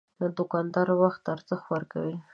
دوکاندار وخت ته ارزښت ورکوي.